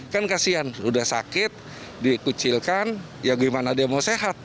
kan kasian udah sakit dikucilkan ya gimana dia mau sehat